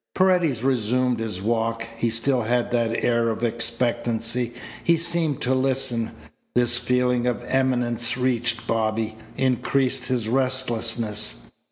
Paredes resumed his walk. He still had that air of expectancy. He seemed to listen. This feeling of imminence reached Bobby; increased his restlessness.